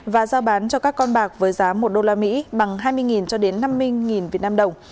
và giao bán cho các con bạc với giá một usd bằng hai mươi năm mươi vnđ